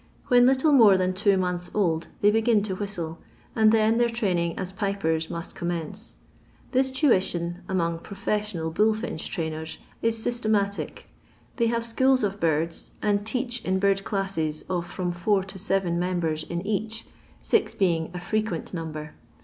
When little more than two months eld, they begin to whistle, and then their training as pipers must commence. This tuition, among professional bullfinch trainers, is systematic. They haTO aeboela of birds, and teach in bird classes of from finir to seven members in each, six being a frequent number.